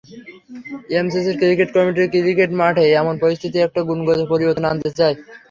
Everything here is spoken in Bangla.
এমসিসির ক্রিকেট কমিটি ক্রিকেট মাঠে এমন পরিস্থিতির একটা গুণগত পরিবর্তন আনতে চায়।